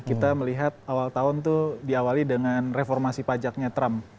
kita melihat awal tahun itu diawali dengan reformasi pajaknya trump